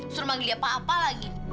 suruh manggil dia pak apa lagi